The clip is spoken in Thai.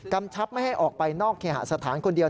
ชับไม่ให้ออกไปนอกเคหาสถานคนเดียว